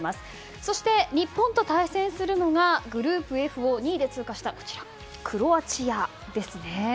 そして、日本と対戦するのがグループＦを２位で通過したクロアチアですね。